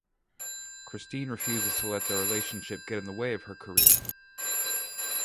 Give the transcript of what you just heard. Christine refuses to let their relationship get in the way of her career.